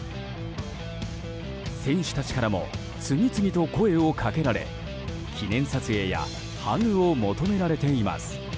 選手たちからも次々と声を掛けられ記念撮影やハグを求められています。